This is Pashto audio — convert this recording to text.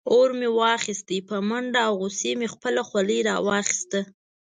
اور مې واخیست په منډه او غصې مې خپله خولۍ راواخیسته.